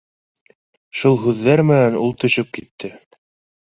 — Шул һүҙҙәр менән ул төшөп китте